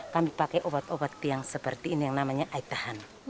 kami pakai obat obat yang seperti ini yang namanya aitahan